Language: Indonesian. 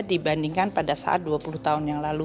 dibandingkan pada saat dua puluh tahun yang lalu